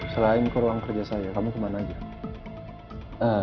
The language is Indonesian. selain ke ruang kerja saya kamu ke mana saja